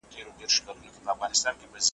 ورپسې مي اورېدلې له پوهانو ,